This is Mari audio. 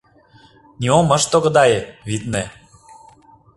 Нимом ыш тогдае, витне.